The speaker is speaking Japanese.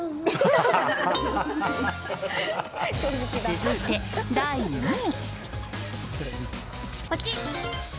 続いて、第２位。